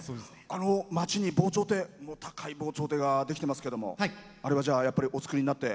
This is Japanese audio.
町に防潮堤高い防潮堤ができてますけどあれはやっぱりお造りになって。